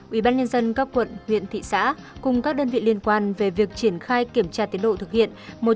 ubnd các quận huyện thị xã cùng các đơn vị liên quan về việc triển khai kiểm tra tiến độ thực hiện